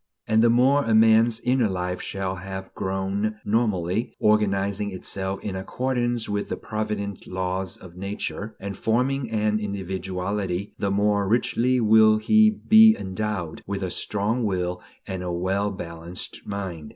And the more a man's inner life shall have grown normally, organizing itself in accordance with the provident laws of nature, and forming an individuality, the more richly will he be endowed with a strong will and a well balanced mind.